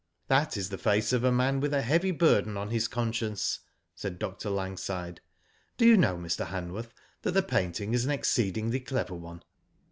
" That is the face of a man with a heavy burden on his conscience," said Dr. Langside. " Do you know, Mr. Hanworth, that the painting is an exceedingly clever one?"